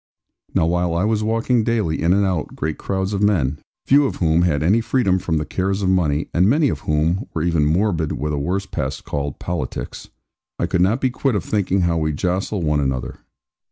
Now while I was walking daily in and out great crowds of men (few of whom had any freedom from the cares of money, and many of whom were even morbid with a worse pest called 'politics'), I could not be quit of thinking how we jostle one another.